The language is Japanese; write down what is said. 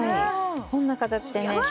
こんな形でね。